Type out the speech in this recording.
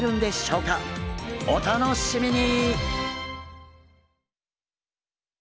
お楽しみに！